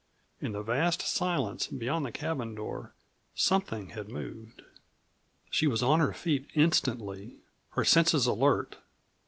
In the vast silence beyond the cabin door something had moved. She was on her feet instantly, her senses alert.